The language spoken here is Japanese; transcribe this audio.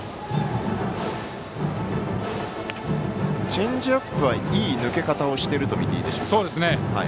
チェンジアップはいい抜け方をしているとみていいでしょうか。